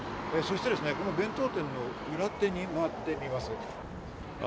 そして、この弁当店の裏手に回ってみます。